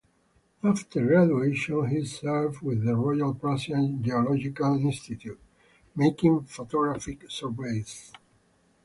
After graduation he served with the royal Prussian geological institute, making photographic surveys.